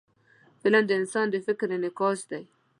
فلم د انسان د فکر انعکاس دی